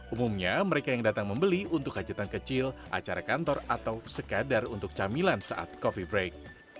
umumnya mereka yang datang membeli untuk hajatan kecil acara kantor atau sekadar untuk camilan saat coffee break